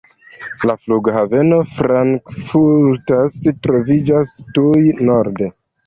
La Flughaveno Frankfurta troviĝas tuj norde.